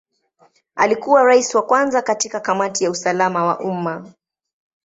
Alikuwa Rais wa kwanza katika Kamati ya usalama wa umma.